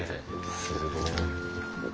すごい。